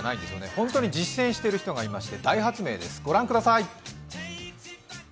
本当に実践している人がいまして、大発明です。